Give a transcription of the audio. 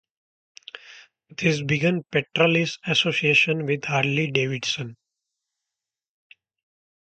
This began Petrali's association with Harley-Davidson.